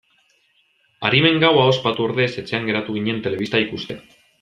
Arimen gaua ospatu ordez etxean geratu ginen telebista ikusten.